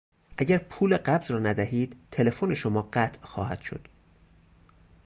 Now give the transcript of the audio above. اگر پول قبض را ندهید تلفن شما قطع خواهد شد.